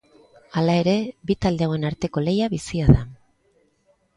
Hala ere, bi talde hauen arteko lehia bizia da.